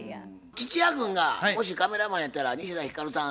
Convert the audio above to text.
吉弥君がもしカメラマンやったら西田ひかるさん